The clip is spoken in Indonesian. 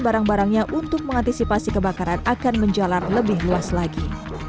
barang barangnya untuk mengantisipasi kebakaran akan menjalar lebih luas lagi